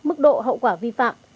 mức độ hậu quả vi phạm